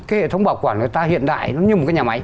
cái hệ thống bảo quản của ta hiện đại nó như một cái nhà máy